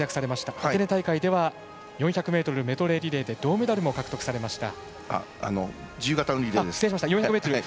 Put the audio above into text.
アテネ大会では４００ｍフリーリレーで銅メダルも獲得されました。